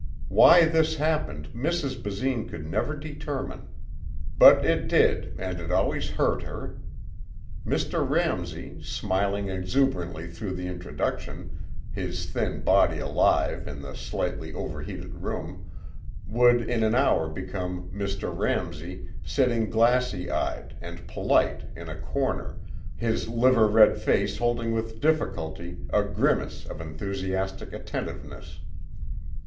Why this happened Mrs. Basine could never determine. But it did and it always hurt her. Mr. Ramsey, smiling exuberantly through the introduction, his thin body alive in the slightly overheated room, would in an hour become Mr. Ramsey sitting glassy eyed and polite in a corner, his liver red face holding with difficulty a grimace of enthusiastic attentiveness.